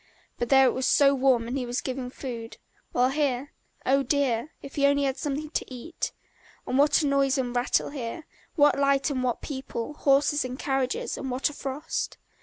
But there it was so warm and he was given food, while here oh, dear, if he only had something to eat! And what a noise and rattle here, what light and what people, horses and carriages, and what a frost!